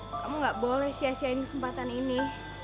kamu gak boleh sia siain kesempatan ini